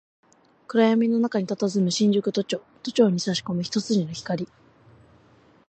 暗闇の中に佇む新宿都庁、都庁に差し込む一筋の光